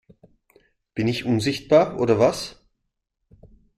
Bin ich unsichtbar oder was?